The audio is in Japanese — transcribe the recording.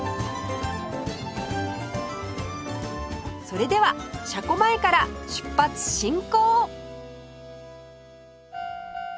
それでは車庫前から出発進行！